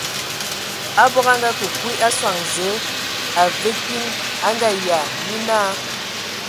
Abog a ngakǝ kwi a sɔŋ Zǝə, a və kiŋ, a Ngayia, nye naa.